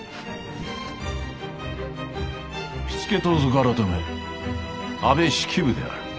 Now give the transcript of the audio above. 火付盗賊改安部式部である。